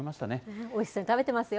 おいしそうに食べてますよ。